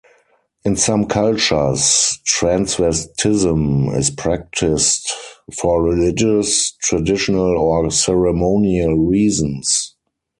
In some cultures, transvestism is practiced for religious, traditional or ceremonial reasons.